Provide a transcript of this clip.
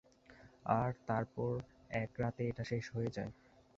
আর তারপর, এক রাতে, এটা শেষ হয়ে যায়।